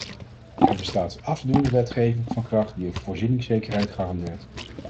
Er bestaat afdoende wetgeving van kracht die voorzieningszekerheid garandeert.